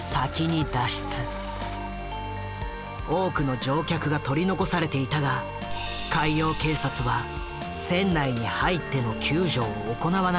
多くの乗客が取り残されていたが海洋警察は船内に入っての救助を行わなかった。